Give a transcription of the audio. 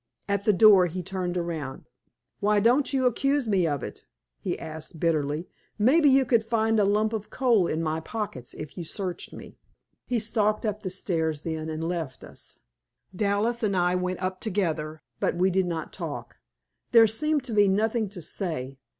At the door he turned around. "Why don't you accuse me of it?" he asked bitterly. "Maybe you could find a lump of coal in my pockets if you searched me." He stalked up the stairs then and left us. Dallas and I went up together, but we did not talk. There seemed to be nothing to say.